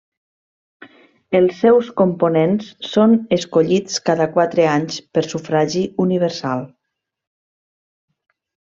Els seus components són escollits cada quatre anys per sufragi universal.